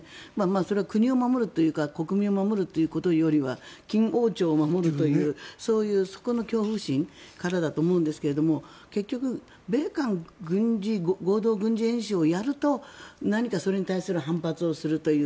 それは国を守るというか国民を守るということよりか金王朝を守るというそういうそこの恐怖心からだと思うんですけど結局、米韓合同軍事演習をやると何かそれに対する反発をするという。